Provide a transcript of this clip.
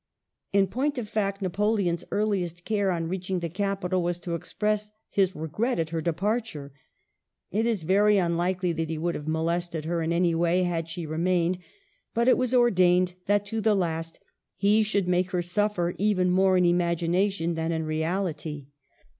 In point of fact, Na poleon's earliest care, on reaching the capital, was to express his regret at her departure. It is very unlikely that he would haver molested her in any way had she remained ; but it was ordained that, to the last, he should make her suffer even more in imagination than in reality.